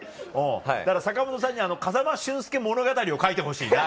坂元さんに風間俊介物語を書いてほしいな。